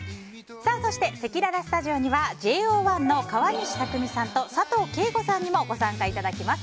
そしてせきららスタジオにはＪＯ１の川西拓実さんと佐藤景瑚さんにもご参加いただきます。